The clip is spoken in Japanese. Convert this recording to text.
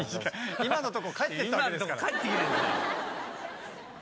今のとこ帰って来たわけですから！